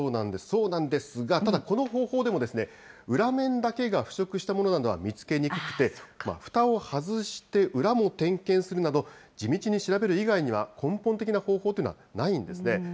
そうなんですが、ただこの方法でも、裏面だけが腐食したものなどは見つけにくくて、ふたを外して裏も点検するなど、地道に調べる以外には、根本的な方法というのはないんですね。